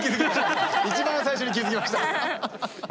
一番最初に気付きました！